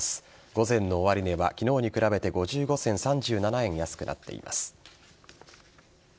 午前の終値は昨日に比べて５５円３７銭安くなっています。